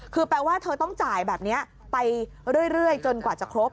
คือแปลว่าเธอต้องจ่ายแบบนี้ไปเรื่อยจนกว่าจะครบ